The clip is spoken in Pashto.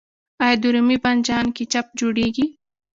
آیا د رومي بانجان کیچپ جوړیږي؟